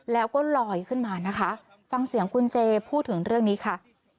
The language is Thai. แล้วก็ลอยขึ้นมานะคะฟังเสียงคุณเจพูดถึงเรื่องนี้ค่ะ